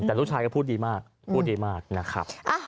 แต่ลูกชายก็พูดดีมากพูดดีมากนะครับ